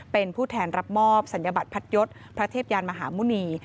เป็นผู้แทนรับมอบศัลยบัตรพัดยศพระเทพยานมหาหมุณี